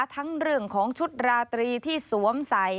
ทั้งเรื่องของชุดราตรีที่สวมใส่